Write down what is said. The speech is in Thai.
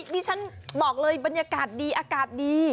ดิฉันบอกเลยบรรยากาศดีอากาศดี